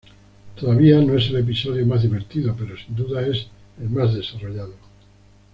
Todavía no es el episodio más divertido, pero sin duda es el más desarrollado.